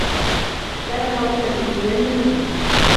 كان فاضل مسيحيّا ملتزما.